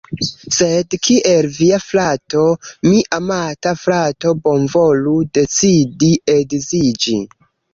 Sed kiel via frato, mi amata frato, bonvolu decidi edziĝi